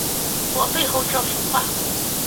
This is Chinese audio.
我背后的这幅画